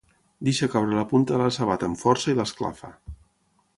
Deixa caure la punta de la sabata amb força i l'esclafa.